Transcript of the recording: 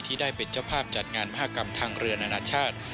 ได้เป็นเจ้าภาพจัดงานมหากรรมทางเรือนานาชาติ